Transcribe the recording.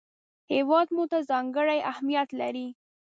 هېواد موږ ته ځانګړی اهمیت لري